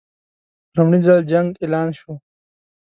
په لومړي ځل جنګ اعلان شو.